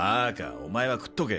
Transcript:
お前は食っとけ。